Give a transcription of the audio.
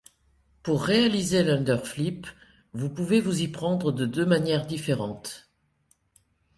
Pour réaliser l'underflip vous pouvez vous y prendre de deux manières différentes.